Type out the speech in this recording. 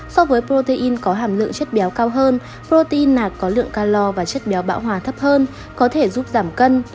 so với protein có hàm lượng chất béo cao hơn protein là có lượng calor và chất béo bão hòa thấp hơn có thể giúp giảm cân